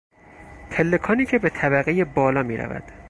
پلکانی که به طبقهی بالا میرود